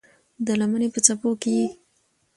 د لمنې په څپو کې یې